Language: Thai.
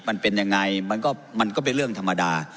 มันเป็นยังไงมันก็เป็นเรื่องธรรมดา